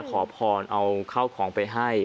ขอพรเอาข้าวของไปให้